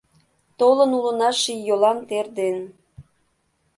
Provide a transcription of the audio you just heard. Толын улына ший йолан тер ден -